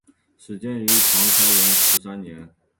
始建于唐开元十三年。